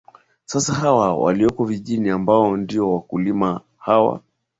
sasa hawa walioko vijijini ambao ndio wakulima hawa